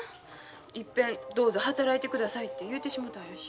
一遍どうぞ働いてくださいって言うてしもたんやし。